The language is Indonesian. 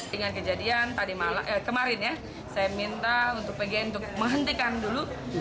dengan kejadian kemarin ya saya minta untuk pgn untuk menghentikan dulu